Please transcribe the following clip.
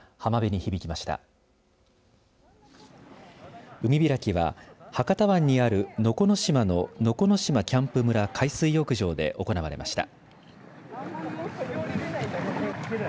海開きは博多湾にある能古島の能古島キャンプ村・海水浴場で行われました。